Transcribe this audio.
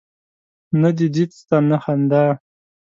نه دي دید سته نه خندا